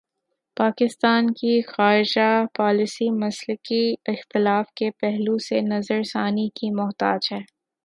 پاکستان کی خارجہ پالیسی مسلکی اختلاف کے پہلو سے نظر ثانی کی محتاج ہے۔